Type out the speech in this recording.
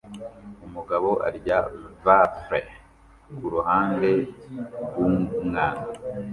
umugabo arya vafle kuruhande rwumwana